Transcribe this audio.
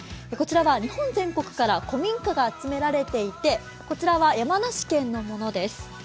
こちらは日本全国から古民家が集められていて、こちらは山梨県のものです。